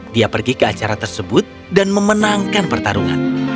dia pergi ke acara tersebut dan memenangkan pertarungan